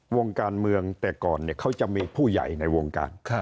วงการเมืองแต่ก่อนเขาจะมีผู้ใหญ่ในวงการ